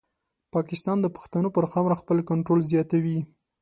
پاکستان د پښتنو پر خاوره خپل کنټرول زیاتوي.